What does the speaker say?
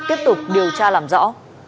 tiếp tục điều tra làm rõ